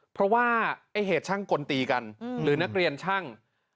เพราะว่าไอ้เหตุช่างกลตีกันหรือนักเรียนช่าง